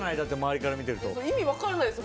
意味分からないですよ。